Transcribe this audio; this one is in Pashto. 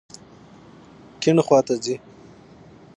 کیڼ خواته ځئ